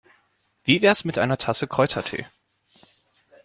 Wie wär's mit einer Tasse Kräutertee?